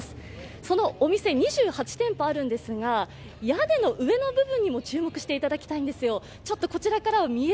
そのお店２８店舗あるんですが屋根の上の部分にも注目していただきたいんですよ。